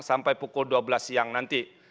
sampai pukul dua belas siang nanti